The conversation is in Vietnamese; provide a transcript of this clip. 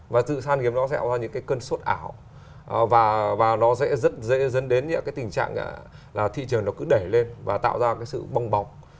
và sự khan hiếm nó sẽ tạo ra những cơn suốt ảo và nó sẽ rất dẫn đến tình trạng là thị trường nó cứ đẩy lên và tạo ra sự bong bóng